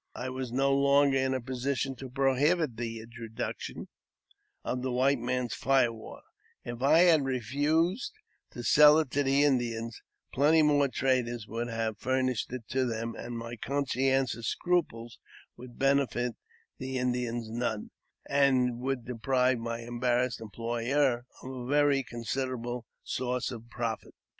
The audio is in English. I was no law giver ; I was no longer in a position to prohibit the introduction of the white man's fire water ; if I had refused to sell it to the Indians, plenty more traders would have furnished it to them ; and my conscientious scruples would benefit the Indians none, and would deprive my embarrassed employer of a very considerable source of profit.